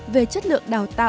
về chất lượng đào tạo